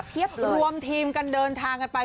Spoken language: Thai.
รวมทีมกันเดินทางกันไป